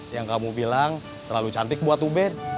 yang kamu bilang terlalu cantik buat ubed